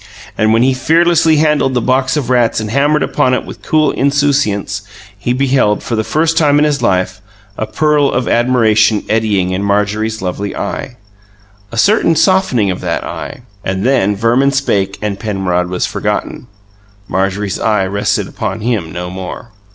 And when he fearlessly handled the box of rats and hammered upon it with cool insouciance, he beheld for the first time in his life a purl of admiration eddying in Marjorie's lovely eye, a certain softening of that eye. And then Verman spake and Penrod was forgotten. Marjorie's eye rested upon him no more.